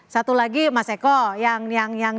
satu lagi mas eko yang